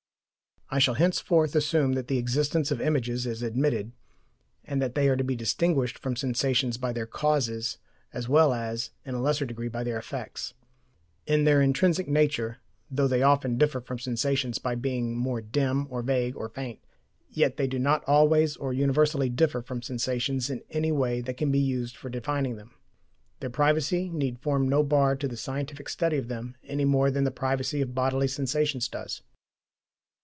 I shall henceforth assume that the existence of images is admitted, and that they are to be distinguished from sensations by their causes, as well as, in a lesser degree, by their effects. In their intrinsic nature, though they often differ from sensations by being more dim or vague or faint, yet they do not always or universally differ from sensations in any way that can be used for defining them. Their privacy need form no bar to the scientific study of them, any more than the privacy of bodily sensations does.